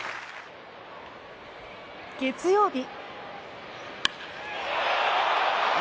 月曜日。